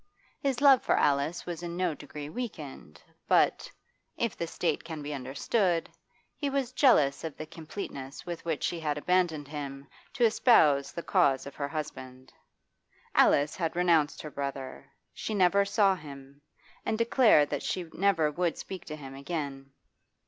His love for Alice was in no degree weakened, but if the state can be understood he was jealous of the completeness with which she had abandoned him to espouse the cause of her husband. Alice had renounced her brother; she never saw him, and declared that she never would speak to him again.